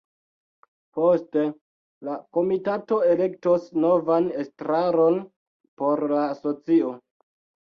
Poste la komitato elektos novan estraron por la asocio.